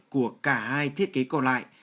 của cả hai thiết kế còn lại